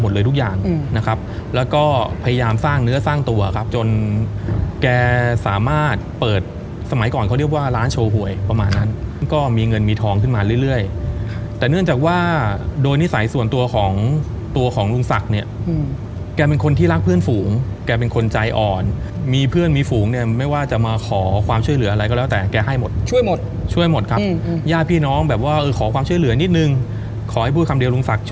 หมดเลยทุกอย่างนะครับแล้วก็พยายามสร้างเนื้อสร้างตัวครับจนแกสามารถเปิดสมัยก่อนเขาเรียกว่าร้านโชว์หวยประมาณนั้นก็มีเงินมีทองขึ้นมาเรื่อยแต่เนื่องจากว่าโดยนิสัยส่วนตัวของตัวของลุงศักดิ์เนี่ยแกเป็นคนที่รักเพื่อนฝูงแกเป็นคนใจอ่อนมีเพื่อนมีฝูงเนี่ยไม่ว่าจะมาขอความช่วยเหลืออะไรก็แล้วแต่แ